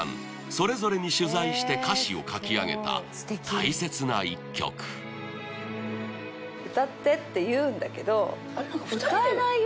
それぞれに取材して歌詞を書き上げた大切な１曲「歌って」って言うんだけど歌えないよ。